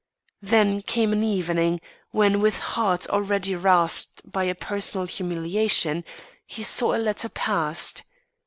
Then came an evening, when, with heart already rasped by a personal humiliation, he saw a letter passed.